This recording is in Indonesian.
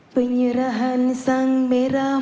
penyerahan sang merah